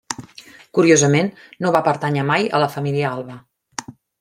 Curiosament, no va pertànyer mai a la família Alba.